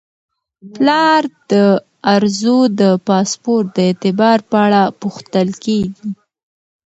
پلار د ارزو د پاسپورت د اعتبار په اړه پوښتل کیږي.